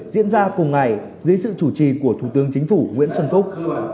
diễn ra cùng ngày dưới sự chủ trì của thủ tướng chính phủ nguyễn xuân phúc